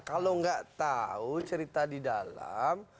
kalau nggak tahu cerita di dalam